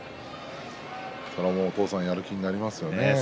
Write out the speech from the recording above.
それはもう、お父さんやる気になりますよね